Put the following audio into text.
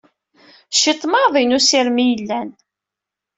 Ciṭ maḍi n usirem i yellan.